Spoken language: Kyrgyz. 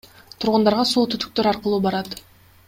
Тургундарга суу түтүктөр аркылуу барат.